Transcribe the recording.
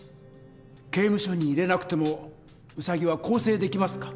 刑務所に入れなくてもウサギは更生できますか？